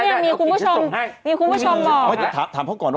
เอาไหมเนี้ยมีคุณผู้ชมให้มีคุณผู้ชมหลอกถามเขาก่อนว่า